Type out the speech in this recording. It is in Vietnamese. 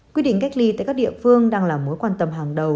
quy định cách ly tại các địa phương đang là mối quan tâm hàng đầu